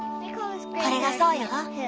これがそうよ。